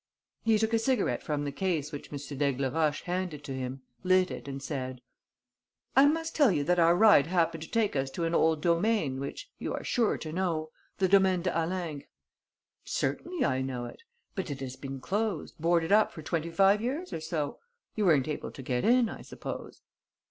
He took a cigarette from the case which M. d'Aigleroche handed to him, lit it and said: "I must tell you that our ride happened to take us to an old domain which you are sure to know, the Domaine de Halingre." "Certainly I know it. But it has been closed, boarded up for twenty five years or so. You weren't able to get in, I suppose?"